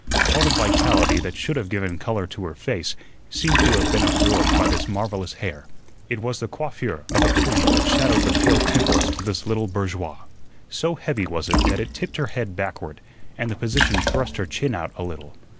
All the vitality that should have given color to her face seemed to have been absorbed by this marvellous hair. It was the coiffure of a queen that shadowed the pale temples of this little bourgeoise. So heavy was it that it tipped her head backward, and the position thrust her chin out a little.